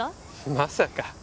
まさか。